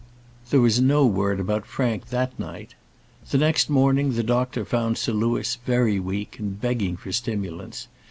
There was no word about Frank that night. The next morning the doctor found Sir Louis very weak, and begging for stimulants.